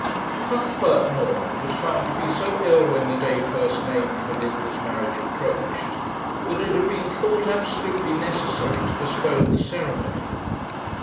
Cuthbert Norman was found to be so ill when the day first named for Linda's marriage approached, that it had been thought absolutely necessary to postpone the ceremony.